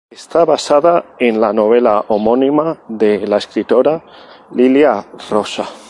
Está basada en la novela homónima de la escritora Lilia Rosa.